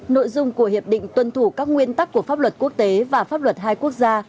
nội dung của hiệp định tuân thủ các nguyên tắc của pháp luật quốc tế và pháp luật hai quốc gia